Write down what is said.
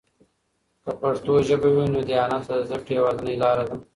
که پښتو ژبه وي، نو دیانت د زده کړې یوازینۍ لاره ده.